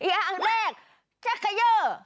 อย่างแรกทักเกย่อ